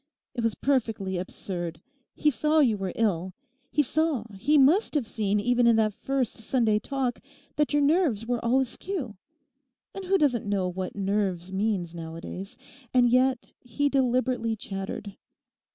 It was perfectly absurd. He saw you were ill; he saw—he must have seen even in that first Sunday talk—that your nerves were all askew. And who doesn't know what "nerves" means nowadays? And yet he deliberately chattered.